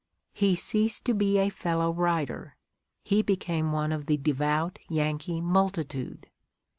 He ceased to be a fellow writer, he became one of the devout Yankee multitude.